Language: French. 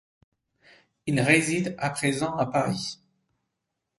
Il réside à présent à Paris.